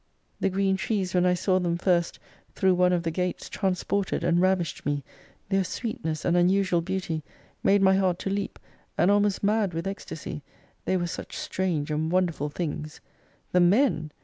The green trees '57 when I saw them first through one of the £ates trans ported and ravished me, their sweetness and unusual beauty made my heart to leap, and almost mad with ecstasy, they were such strange and wonderful things. The Men